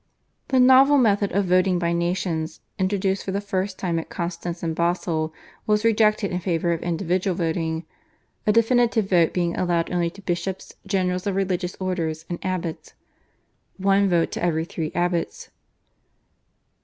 The novel method of voting by nations, introduced for the first time at Constance and Basle, was rejected in favour of individual voting, a definitive vote being allowed only to bishops, generals of religious orders and abbots (one vote to every three abbots).